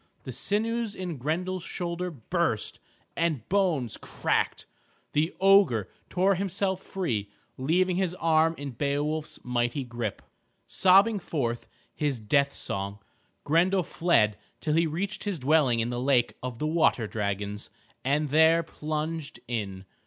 The sinews in Grendel's shoulder burst, the bones cracked. The ogre tore himself free, leaving his arm in Beowulf's mighty grip. Sobbing forth his death song, Grendel fled till he reached his dwelling in the lake of the water dragons, and there plunged in.